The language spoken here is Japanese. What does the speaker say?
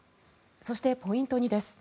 そしてポイント２です。